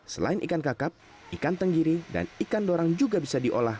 selain ikan kakap ikan tenggiri dan ikan dorang juga bisa diolah